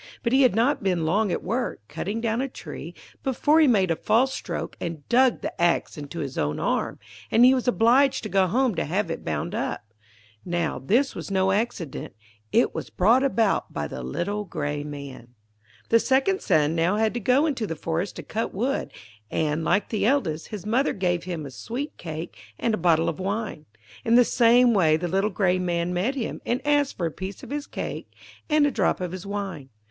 But he had not been long at work, cutting down a tree, before he made a false stroke, and dug the axe into his own arm, and he was obliged to go home to have it bound up. Now, this was no accident; it was brought about by the little grey Man. The second son now had to go into the forest to cut wood, and, like the eldest, his mother gave him a sweet cake and a bottle of wine. In the same way the little grey Man met him, and asked for a piece of his cake and a drop of his wine.